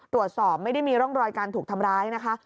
ตรวจสอบไม่ได้มีร่องรอยการถูกทำร้ายนะคะ